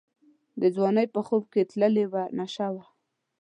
د ځوانۍ په خوب کي تللې وه نشه وه